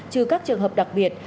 trừ các trường hợp đặc biệt